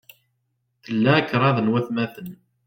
Tla kṛad n watmaten.